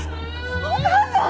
お母さん！